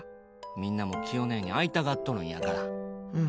みんなも、きよねえに会いたがってるんやから。